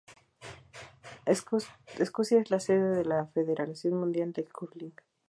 Escocia es la sede de la Federación Mundial de Curling.